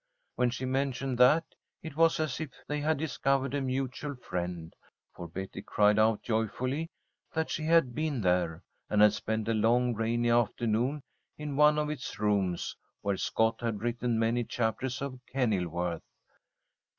When she mentioned that, it was as if they had discovered a mutual friend, for Betty cried out joyfully that she had been there, and had spent a long rainy afternoon in one of its rooms, where Scott had written many chapters of "Kenilworth."